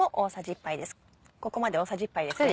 ここまで大さじ１杯ですね。